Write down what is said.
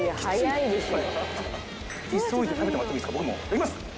いきます！